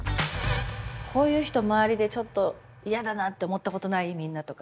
「こういう人周りでちょっとやだなと思ったことない？みんな」とか。